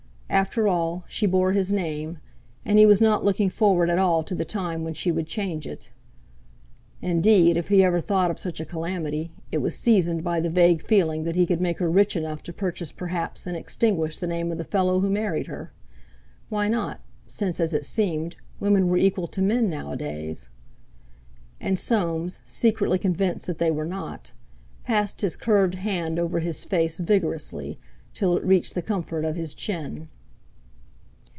After all, she bore his name; and he was not looking forward at all to the time when she would change it. Indeed, if he ever thought of such a calamity, it was seasoned by the vague feeling that he could make her rich enough to purchase perhaps and extinguish the name of the fellow who married her—why not, since, as it seemed, women were equal to men nowadays? And Soames, secretly convinced that they were not, passed his curved hand over his face vigorously, till it reached the comfort of his chin.